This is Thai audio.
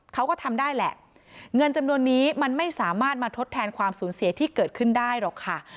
เขาก็ทำได้แหละเงินจำนวนนี้มันไม่สามารถมาทดแทนความสูญเสียที่เกิดขึ้นได้หรอกค่ะ